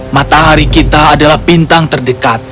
matahari kita adalah bintang terdekat